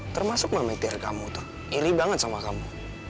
termasuk mami tiri kamu tuh iri banget sama kamu